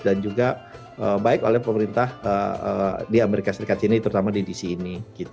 dan juga baik oleh pemerintah di amerika serikat di sini terutama di dc ini